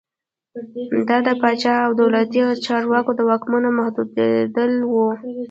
دا د پاچا او دولتي چارواکو د واکونو محدودېدل و.